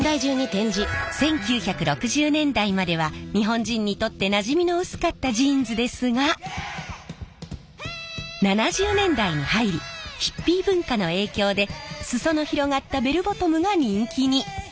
１９６０年代までは日本人にとってなじみの薄かったジーンズですが７０年代に入りヒッピー文化の影響で裾の広がったベルボトムが人気に。